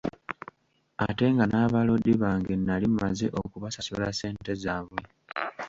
Ate nga n'abaloodi bange nali maze okubasasula ssente zaabwe.